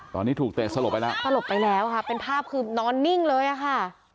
ตอนนี้ถูกเตะสลบไปแล้วสลบไปแล้วค่ะเป็นภาพคือนอนนิ่งเลยอะค่ะ